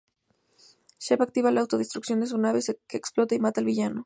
Shep activa la autodestrucción de su nave, que explota y mata al villano.